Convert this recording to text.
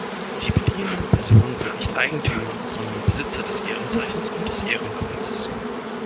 Die beliehenen Personen sind nicht Eigentümer, sondern Besitzer des Ehrenzeichens und des Ehrenkreuzes.